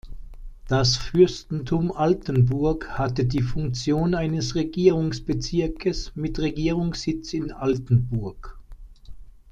Das Fürstentum Altenburg hatte die Funktion eines Regierungsbezirkes mit Regierungssitz in Altenburg.